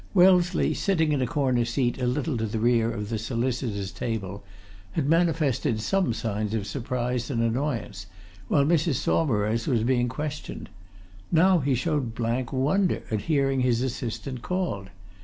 Wellesley, sitting in a corner seat a little to the rear of the solicitor's table, had manifested some signs of surprise and annoyance while Mrs. Saumarez was being questioned; now he showed blank wonder at hearing his assistant called.